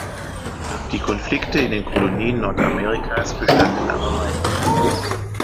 Die Konflikte in den Kolonien Nordamerikas bestanden aber weiter.